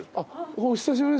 お久しぶりです。